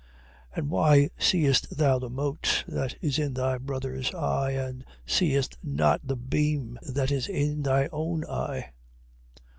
7:3. And why seest thou the mote that is in thy brother's eye; and seest not the beam that is in thy own eye?